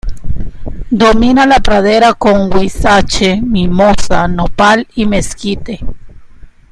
Domina la pradera con huizache, mimosa, nopal y mezquite.